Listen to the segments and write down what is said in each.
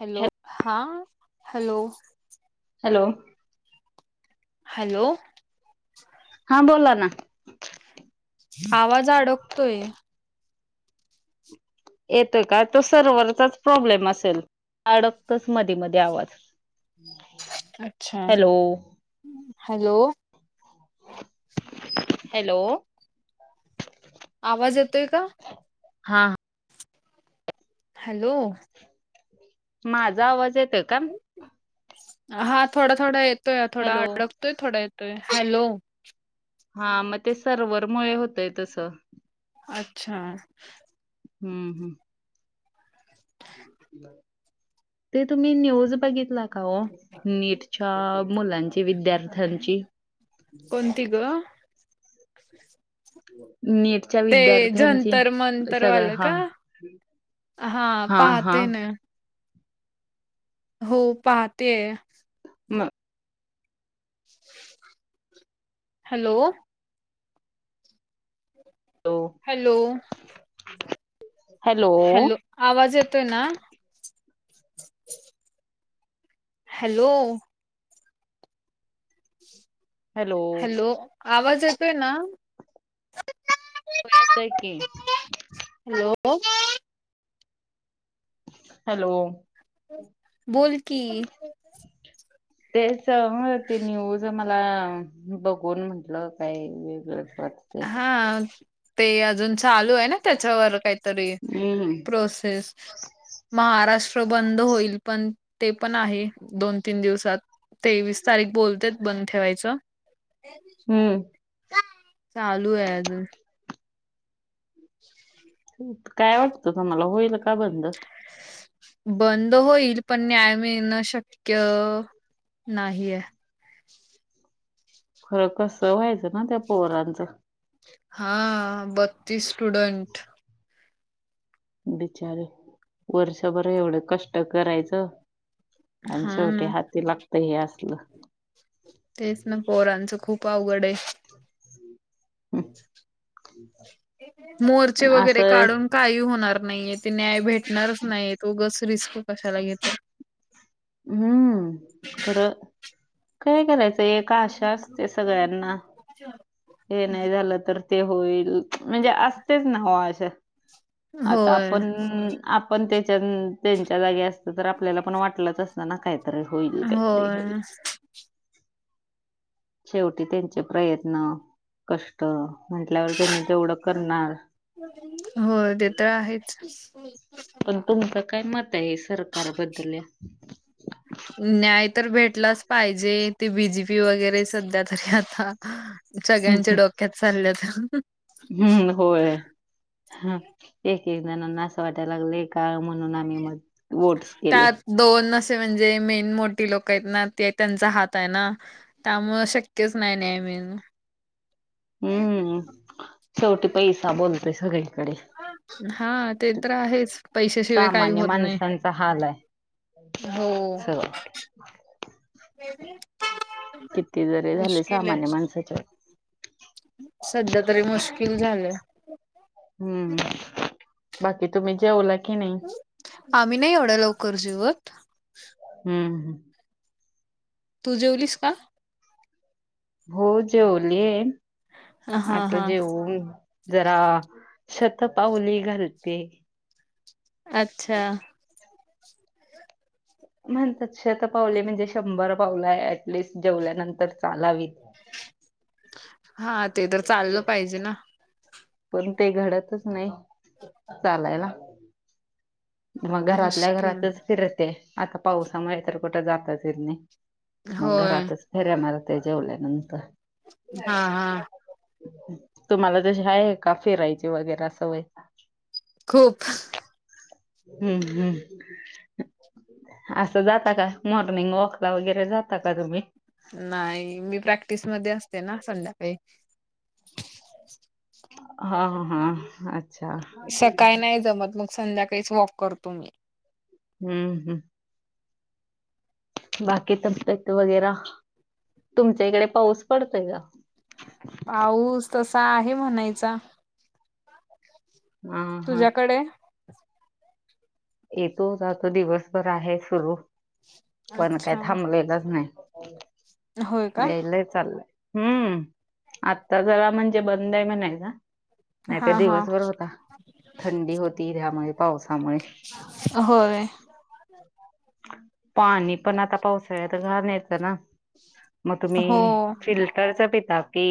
Hello हा hello hello hello हा बोलाना आवाज आडकतोय येतोय का तो सर्वरचाच प्रॉब्लेम असेल अडकतो एक मध्ये मध्ये आवाज हम् [inaudible] अच्छा. हॅलो हॅलो आवाज येतोय का हा हॅलो माझा आवाज येतोय कान हा थोडा थोडा येतोया थोडा हॅलो अडकतोय थोडा येतोय हॅलो हा मते सर्वर मुळे होतय तसं अच्छा ह्म्म हम्म ते तुम्ही न्यूज बघितला काओ नीटच्या मुलांची विद्यार्थ्यांची कोणती ग नीट च्या ते विद्यार्थ्यांची. जंतर ते सगळं मंतरवालं हा. का हा हा पाहते ना हो पाहते. म हॅलो लो हॅलो ह? हॅलो आवाज येतोय ना. हॅलो. हॅलो आवाज येतोय ना. हो येतोय की हॅलो. [unintelligible] हॅलो. बोल की. तेच ह ते न्यूज मग मला बघून म्हंटलं काही वेगळच वाट. हा ते अजून चालू आहेना. त्याच्यावर काहीतरी हम्म प्रोसेस. महाराष्ट्र बंद होईल पण. तेपण आहे, दोनतीन दिवसात. तेवीस तारीख बोलतेत बंद ठेवायचं. ह्म्म चालूए अजून हा काय वाटतं तुम्हाला होईल का बंद. बंद होईल पण न्याय मिळणं शक्य नाही आहे. खरं कसं व्हायचं ना त्या पोरांचं. हा बत्तीस स्टुडन्ट. बिचार वर्षभर एवढं कष्ट करायचं. आणि हां शेवटी ना. हाती लागत हे असल. तेच ना पोरांचं खूप अवघड आहे. हम. मोर्चे वगैरे काढून काही होणार नाही ते न्याय भेटणारच नाहीत उगच रिस्क कशाला घेता. हम्म खरं काय करायचं एक का अशा असते सगळ्यांना, घेताय. हे नाही झालं तर ते होईल. म्हणजे असतेच ना हो अशा आता होय आपण आपण त्यांच्यान त्यांच्या जागी असत तर आपल्याला पण वाटलंच असतं ना काही. [unintelligible] होईल काहीतरी होय होईल. शेवटी त्यांचे प्रयत्न कष्ट म्हटल्यावर त्यांनी तेवढं करणार‌. होय ते तर आहेच. पण तुमच काय मत आहे सरकार बद्दल या. न्याय तर भेटलाच पाहिजे ते बी जी पी वगैरे सध्या तरी आता सगळ्यांच्या हम्म, डोक्यात चालल्यात. हम्म होय एक एक जणांना असं वाटायला लागलं का म म्हणून आम्ही मत वोट्स केले. त्यात दोन असे म्हणजे मेन मोठी लोक आहेत ना ते त्यांचा हात आहे ना. त्याांमुळ शक्यच नाही न्याय मिळणं. हम्म शेवटी पैसा बोलतय सगळीकडे. हा ते तर आहेच पैशाशिवाय काही होत नाही. चा हाल आहे. हो [unintelligible] [unintelligible] किती जरीे झाले मुश्किल सामान्य आहे माणसाच्या सध्या तरी मुश्किल झालय. हम्म, बाकी तुम्ही जेवला की नाही? आम्ही नाही एवढ्या लवकर जेवत. हम्म हम. तू जेवलीस का? हो जेवलीये, हा आता हा जेवून जरा शतपाउली घालते. अच्छा. म्हणतात शतपावली म्हणजे शंभर पावलं ऍटलिस्ट जेवल्यानंतर चालावीत. हा ते तर चाललं पाहिजे ना. पण ते घडतच नाही चालायला. मग घरातल्या मुश्किल घरातच फिरते आता पावसामुळे तर कुठे जाताच येत नाही. मग होय घरातच फेऱ्या मारते जेवल्यानंतर. हा हा तुम्हाला जशी आहे का फेरायची वगैरा असवय? खूप. हम्म- हम्म. असं जाता का मॉर्निंग वॉक ला वगैरे जाता का तुम्ही? नाही. मी प्रॅक्टिसमध्ये असते ना संध्याकाळी. हा हा. अ [unintelligible] सकाळी नाही जमत. मग संध्याकाळीच वॉक करतो मी. हम्म- हम्म. बाकी तबेत वगैरा, तुमच्या इकडे पाऊस पडतोय का? पाऊस तसा आहे म्हणायचा. हा -हा. तुझ्याकडे येतो जातो दिवसभर आहे सुरू. पण काय अच्छा थांबलेलंच नाही. होय का लय चाललंय. हम्म. आता जरा म्हणजे बंदय म्हणायचा. नाही तर हा हा दिवसभर होता. थंडी होती त्यामुळे पावसामुळे. होय. पाणी पण आता पावसाळ्यात घाण येतं ना? मग हो तुम्ही फिल्टरच पिता की,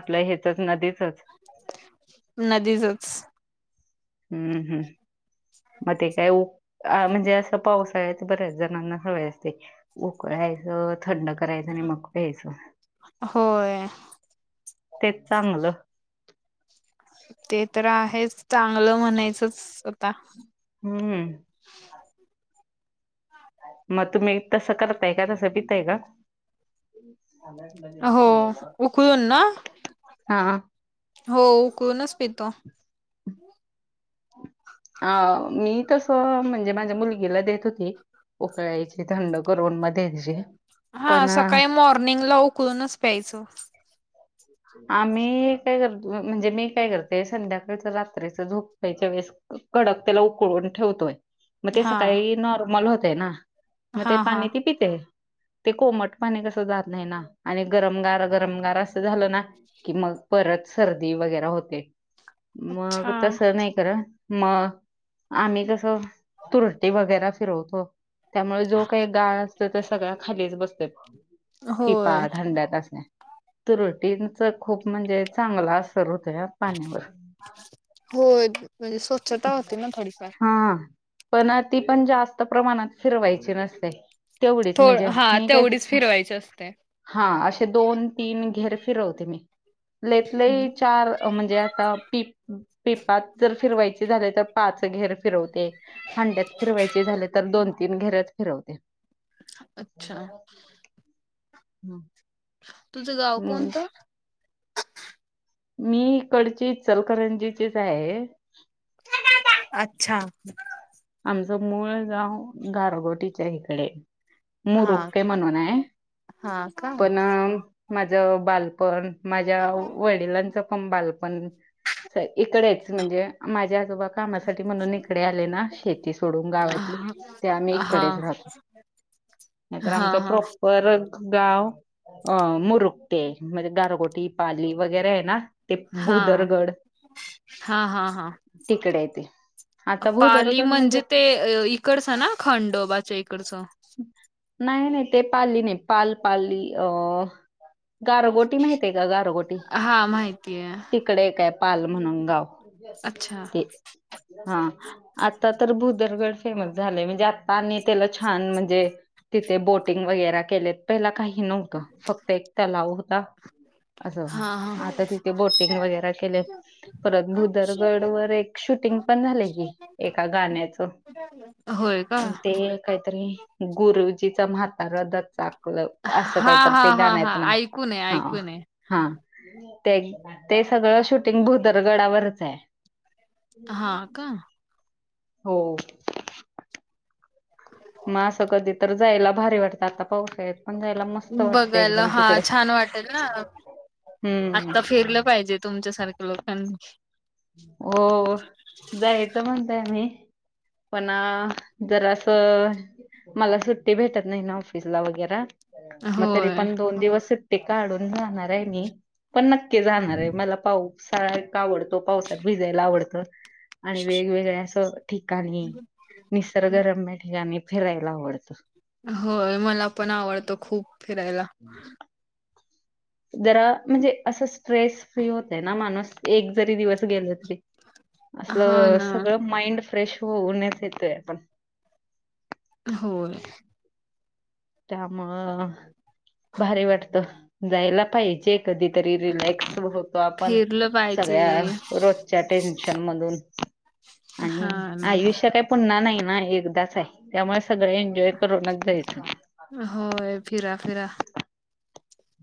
आपलं ह्याचच नदीचच? नदीचच. हम्म- हम्म. मग ते काय म्हणजे असं पावसाळ ते बऱ्या जणांना सवय असते उकळायचं, थंड करायचं, आणि मग प्यायचं. होय. तेच चांगलं. ते तर आहेच. चांगलं म्हणायचंच आता. हम्म. [inaudible] मग तुम्ही तसं करताय का? तसं पिताय का? हो उकळून ना हा. हो उकळूनच पितो. अं मी तस म्हणजे माझ्या मुलगीला देत होती. उकळायची थंड करून म द्यायची. हा. पण अ, सकाळी मॉर्निंगला उकळूनच प्यायचं. आम्ही काय करतो? म्हणजे मी काय करते? संध्याकाळच रात्रीच झोपयच्या वेळेस कडक त्याला उकळून ठेवतोय. मग ते हा सकाळी नॉर्मल होते ना, मग ते हा हा पाणी ती पिते. ते कोमट पाणी कसं जात नाही ना, आणि गरमगार गरमगार असं झालं ना कि, मग परत सर्दी वगैरा होते मग अच्छा तस नाही करत मग, आम्ही कसं तुरटी वगैरा फिरवतो. त्यामुळे जो काही गाळ असतो तो सगळा खालीच बसतो होय. टिपालाच हंड्यात [unintelligible] त्रुटीचा खूप म्हणजे चांगला असर होतया पाण्यावर होय म्हणजे स्वच्छता होती ना थोडीफार. हा. पण ना ती पण जास्त प्रमाणात फिरवायची नसते. तेवढीच थो म्हणजे हा मी तेवढीच काही फिरवायची असते. हा असे दोन, तीन घेर फिरवते मी. लयीतलयी हम्म चार म्हणजे आता टिप टीपात जर फिरवायचे झाले तर पाच घेर फिरवते. हांड्यात फिरवायचे झाले तर, दोन तीन घरच फिरवते. अच्छा. हम्. तुझं गाव कोणतं? मी इकडची इचलकरंजीचीच आहे. अच्छा. आमचं मूळ गाव गारगोटीच्या हिकडे. हा मरूकटे म्हणून हाय, हा का? पण अ माझं बालपण, माझ्या वडिलांचं पण बालपण इकडेच म्हणजे माझे आजोबा कामासाठी म्हणून इकडे आले ना, शेती सोडून हा गावातली हा ते आम्ही हा इकडेच राहतो. नाहीतर हा आमचा प्रॉपर गाव अ मुरुकटे म्हणजे गारगोटी, पाली वगैरे आहे ना ते हा भुदरगड हा हा हा. तिकडे हाय तेे. पाली म्हणजे ते इकडचं ना? खंडोबाच्या इकडचं. नाही नाही ते पाली नाही पाल पाली अ गारगोटी माहित हाय का गारगोटी हा माहितीय ते तिकडे एक हाय पाल म्हणून गाव. अच्छा. ते हा आता तर भुदरगड फेमस झालय म्हणजे आता आणि त्याला छान म्हणजे तिथे बोटिंग वगैरा केल्यात, पहिला काही नव्हतं, फक्त एक तलाव होता आसं. हा हा आता तिथे बोटिंग वगैरे केलेत. परत भूदरगड वर एक शूटिंग पण झालंय की, एका गाण्याच होय का? आ ते न कायतरी गुरुजीचा म्हातारा दत्ता खूलं पा आसं हा काय तर, हा ते हा गाणं हा ऐकून आहे पुन्हा ऐकून आहे. हा ते ते सगळं शूटिंग भूदरगडावरच हाय. हा का? हो. म आसं कधी तर, जायला भारी वाटतं. आता पावसाळ्यात पण जायला म बघायला हा छान वाटेल ना, हम्म आता फिरलं पाहिजेत. तुमच्या सारख्या लोकांची ओ जायचं म्हणताय आम्ही. पण आ जरासं मला सुट्टी भेटत नाही ना, ऑफिसला वगेरा म तरी होय. पण, दोन दिवस सुट्टी काढून जाणार हाय मी. पण नक्की जाणार हाय. मला पावसाळा इतका आवडतो. पावसात भिजायला आवडतं. आणि वेगवेगळ्या आसं ठिकाणी, निसर्गरम्य ठिकाणी फिरायला आवडतं. होय, मला पण आवडत खूप फिरायला. जरा म्हणजे आसं स्ट्रेस फ्री होतय ना माणूस, एक जरी दिवस गेलं तरी. आसल, हा ना. सगळं माइंड फ्रेश होऊनच येतोय आपण. हो ले. त्यामुळं भारी वाटतं, जायला पाहिजे. कधीतरी रिलॅक्स होतो, आपण फिरलं पाहिजे सगळ्या रोज... त्या टेन्शन मधून आणि हा ना. आयुष्य काय पुन्हा नाही ना. हे एकदाच आहे. त्यामुळे सगळं एन्जॉय करूनच जायचं. होय... फिरा... फिरा...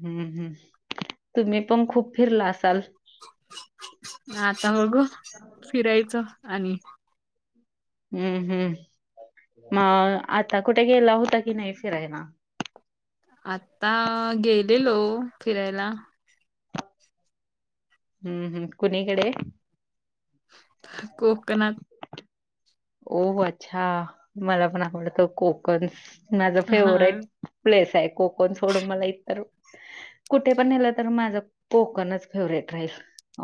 हूं... हूं.. तुम्ही पण खूप फिरला असाल? आता... बघू फिरायचं आणि हुं... हूं मग, आता कुठे गेला होता. कि नाही फिरायला? आता... गेलेलो फिरायला. हूं... हूं... कुणीकडे? कोकणात. हो... हो... अच्छा. मला पण आवडतं. कोकण माझं हा फेवराईट. प्लेस आहे. कोकण सोडून मला इतर कुठे पण नेलं. तर माझं कोकणच फेवरेट राहील.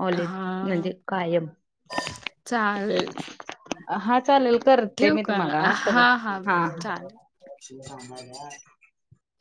ऑले.. म्हणजे हा. कायम. चालेल हा... चालेल करते. ठेवू मी का तुम्हांला. हा.. परत हा... चालेल. हा